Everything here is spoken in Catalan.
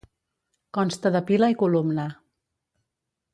Consta de pila i columna.